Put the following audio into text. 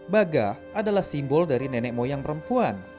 baga adalah simbol dari nenek moyang perempuan